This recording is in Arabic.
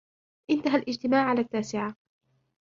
انتهى الاجتماع على التاسعة.